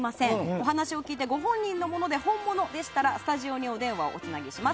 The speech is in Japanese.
お話を聞いて、ご本人のもので本物でしたらスタジオにお電話をおつなぎします。